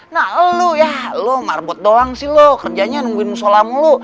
nah lu ya lu marbot doang sih lu kerjanya nungguin musho' lamu lu